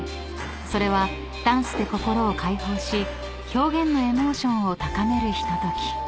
［それはダンスで心を解放し表現のエモーションを高めるひととき］